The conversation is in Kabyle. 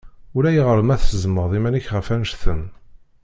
Ulayɣer ma tezzmeḍ iman-ik ɣef annect-en.